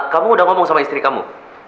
kamu udah ngomong sama istri kamu